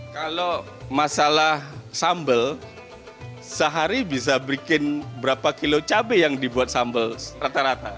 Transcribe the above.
kalau masalah sambal sehari bisa bikin berapa kilo cabai yang dibuat sambal rata rata